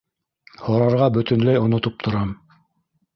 —Һорарға бөтөнләй онотоп торам.